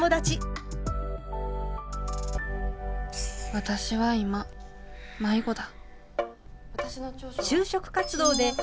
私は今迷子だ。